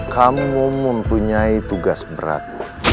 kamu mempunyai tugas berat